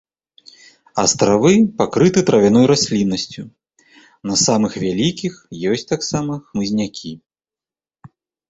Астравы пакрыты травяной расліннасцю, на самых вялікіх ёсць таксама хмызнякі.